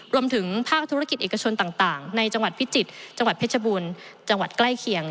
รวมถึงภาคธุรกิจเอกชนต่างในจังหวัดพิจิตรจังหวัดเพชรบูรณ์จังหวัดใกล้เคียง